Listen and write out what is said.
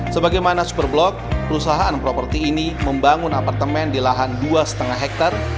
sebagaimana super blok perusahaan properti ini membangun apartemen di lahan dua lima hektare